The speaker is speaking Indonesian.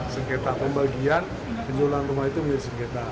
sengketa pembagian penjualan rumah itu menjadi sengketa